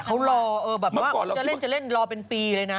เขารอแบบว่าจะเล่นจะเล่นรอเป็นปีเลยนะ